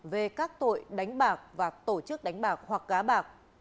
về các tội đánh bạc và tổ chức đánh bạc hoặc gá bạc